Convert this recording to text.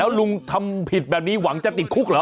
ลุงทำผิดแบบนี้หวังจะติดคุกเหรอ